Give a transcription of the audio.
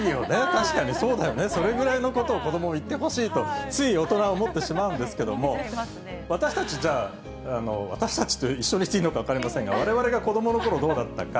確かにそうだよね、それぐらいのことを子どもも言ってほしいと、つい大人は思ってしまうんですけれども、私たち、じゃあ、私たちと一緒にしていいのか分かりませんけど、われわれが子どものころどうだったか。